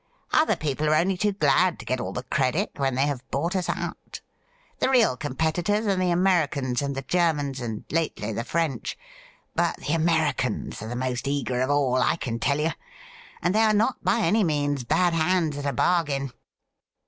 Other people are only too glad to get all the credit when they have bought us out. The real competitors are the Ameri cans and the Germans, and lately the French. But the Americans are the most eager of all, I can tell you, and they are not by any means bad hands at a bargain.'